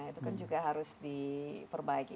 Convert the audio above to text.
itu kan juga harus diperbaiki